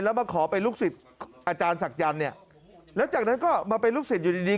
แล้วมาขอไปลูกศิษย์อาจารย์ศักดิ์ยันแล้วจากนั้นก็มาเป็นลูกศิษย์อยู่ดี